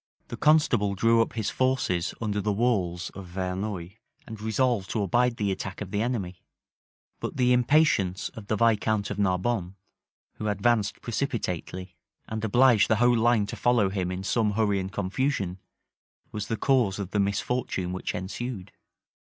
The constable drew up his forces under the walls of Verneuil, and resolved to abide the attack of the enemy: but the impatience of the viscount of Narbonne, who advanced precipitately, and obliged the whole line to follow him in some hurry and confusion, was the cause of the misfortune which ensued.